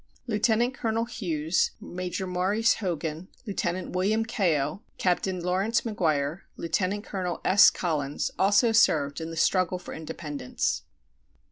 Lieutenant Colonel Hughes, Major Maurice Hogan, Lieutenant William Keogh, Captain Laurence McGuire, Lieutenant Colonel S. Collins also served in the struggle for independence.